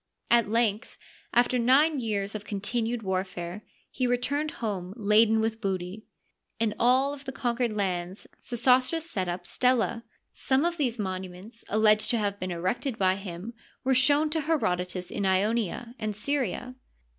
At length, after nine years of continued warfare, he returned home laden with booty. In all of the conquered lands Sesostris set up stelae. Some of these monuments alleged to have been erected by him were shown to Herodotus in Ionia and Syria.